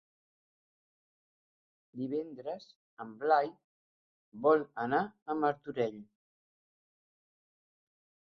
Divendres en Blai vol anar a Martorell.